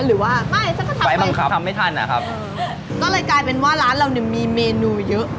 หรือว่าไม่ฉันก็ทำไม่ทันนะครับก็เลยกลายเป็นว่าร้านเราจะมีเมนูเยอะ